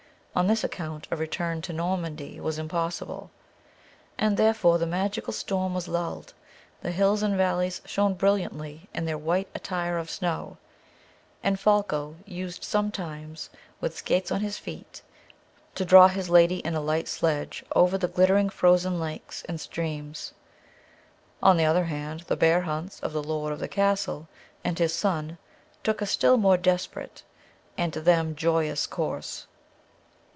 On this account a return to Normandy was impossible, and therefore the magical storm was lulled. The hills and valleys shone brilliantly in their white attire of snow, and Folko used sometimes, with skates on his feet, to draw his lady in a light sledge over the glittering frozen lakes and streams. On the other hand, the bear hunts of the lord of the castle and his son took a still more desperate and to them joyous course.